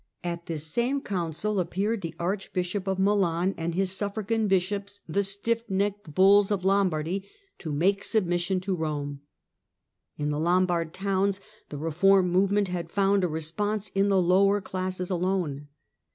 At this same Council appeared the Archbishop of Milan and his suffragan bishops, the " stiff necked bulls of Lombardy," to make submission to Eome. In the Lombard towns the reform movement had found a response in the lower classes alone.